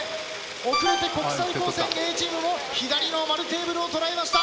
遅れて国際高専Ａチームも左の円テーブルを捉えました。